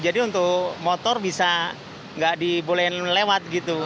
jadi untuk motor bisa nggak diboleh lewat gitu